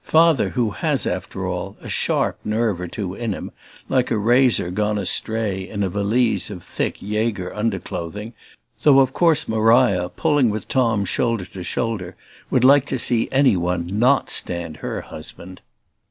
Father who has after all a sharp nerve or two in him, like a razor gone astray in a valise of thick Jager underclothing; though of course Maria, pulling with Tom shoulder to shoulder, would like to see any one NOT stand her husband.